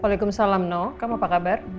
waalaikumsalam no kamu apa kabar